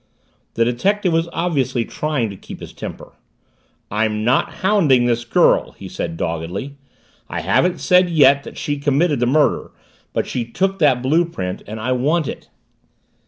The detective was obviously trying to keep his temper. "I'm not hounding this girl!" he said doggedly. "I haven't said yet that she committed the murder but she took that blue print and I want it!"